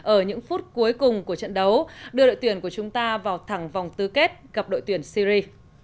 ở những phút cuối cùng của trận đấu đưa đội tuyển của chúng ta vào thẳng vòng tư kết gặp đội tuyển syri